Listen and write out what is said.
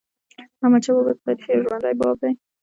احمدشاه بابا د تاریخ یو ژوندی باب دی.